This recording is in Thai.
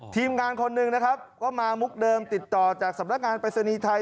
ทีมงานคนนึงก็มามุกเดิมติดต่อจากสำนักงานรัฐปราสนิทัย